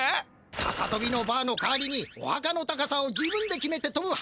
高とびのバーの代わりにおはかの高さを自分で決めてとぶはかとびです。